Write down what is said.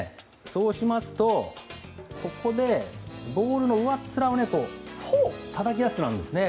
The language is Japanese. そうしますとここでボールの上っ面をたたきやすくなるんですね。